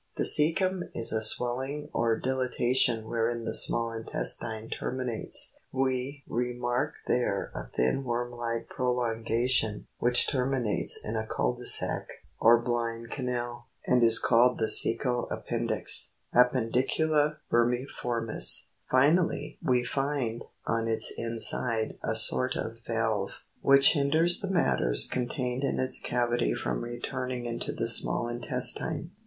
23.) 22. The ccecum is a swelling, or dilatation wherein the small in testine terminates ; we remark there a thin worm like prolonga tion, which terminates in a cut dc sac, or blind canal, and is called the copcal appendix, — appendicula vermifortnis ; finally, we find on its inside a sort of valve, which hinders the matters contained in its cavity from returning into the small intestine.